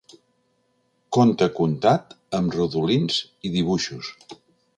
Conte contat amb rodolins i dibuixos.